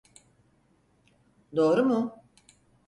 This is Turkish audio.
Doğru mu?